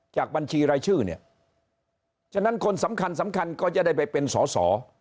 จากบัญชีรายชื่อเนี่ยฉะนั้นคนสำคัญก็จะได้ไปเป็นสส